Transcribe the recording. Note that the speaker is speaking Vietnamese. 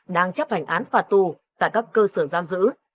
đang chấp hành án phạt tù tại các cơ sở giam giữ